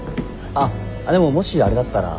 あっでももしあれだったら。